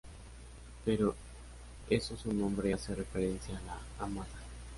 Por eso su nombre hace referencia a la amada.